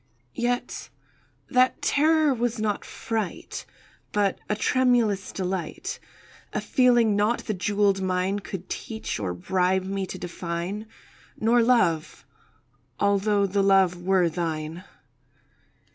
Yet that terror was not fright, But a tremulous delight— A feeling not the jewelled mine Could teach or bribe me to define— Nor Love—although the Love were thine.